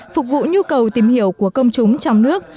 phục vụ nhu cầu tìm hiểu của công chúng trong nước